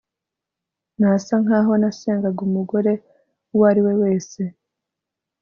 Nasa nkaho nasengaga umugore uwo ari we wese